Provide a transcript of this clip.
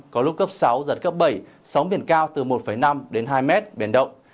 có lúc cấp sáu giật cấp bảy sóng biển cao từ một năm đến hai mét biển động